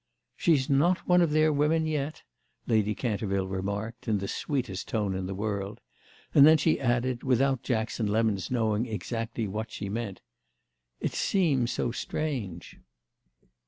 "She's not one of their women yet," Lady Canterville remarked in the sweetest tone in the world; and then she added without Jackson Lemon's knowing exactly what she meant: "It seems so strange."